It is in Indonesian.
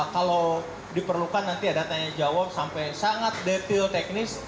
kalau diperlukan nanti ada tanya jawab sampai sangat detail teknis